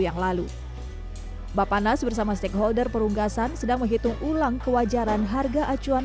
yang lalu bapak nas bersama stakeholder perunggasan sedang menghitung ulang kewajaran harga acuan